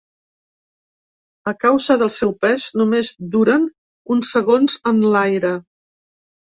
A causa del seu pes, només duren uns segons en l’aire.